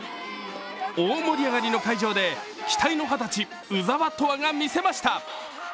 大盛り上がりの会場で期待の二十歳、鵜澤飛羽が見せました。